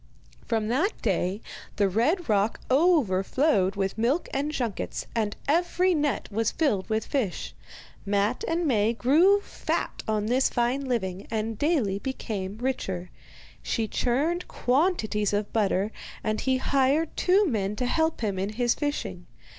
From that day the red rock overflowed with milk and junkets, and every net was filled with fish. Matte and Maie grew fat on this fine living, and daily became richer. She churned quantities of butter, and he hired two men to help him in his fishing.